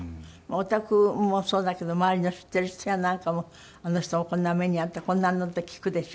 おたくもそうだけど周りの知っている人やなんかもあの人もこんな目に遭ったこんなのって聞くでしょ？